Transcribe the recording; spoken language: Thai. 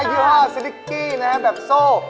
ยี่ห้าสลิกกี้นะฮะแบบโซ่